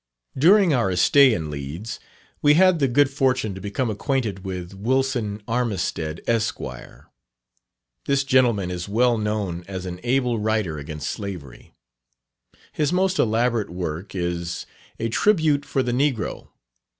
During our stay in Leeds, we had the good fortune to become acquainted with Wilson Armistead, Esq. This gentleman is well known as an able writer against Slavery. His most elaborate work is "A Tribute for the Negro."